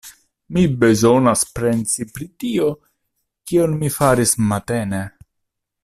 Mi bezonas pensi pri tio, kion mi faris matene.